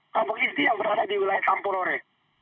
kelompok isti yang berada di wilayah kampung lore